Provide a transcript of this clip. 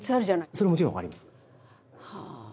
それはもちろん分かります。